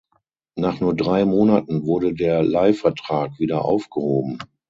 Nach nur drei Monaten wurde der Leihvertrag wieder aufgehoben.